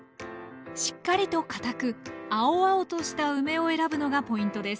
しっかりと堅く青々とした梅を選ぶのがポイントです。